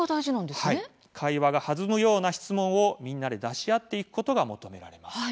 会話が弾むような質問をみんなで出し合っていくことが求められます。